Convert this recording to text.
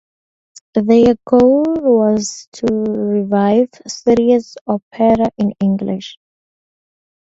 Their goal was to revive serious opera in English.